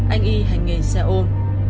anh y hành nghề xe ôm